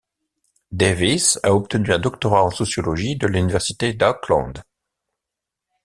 Davis a obtenu un doctorat en sociologie de l'université d'Auckland.